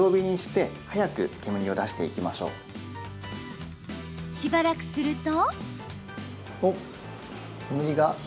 しばらくすると。